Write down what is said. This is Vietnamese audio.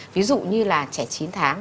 ví dụ như là trẻ chín tháng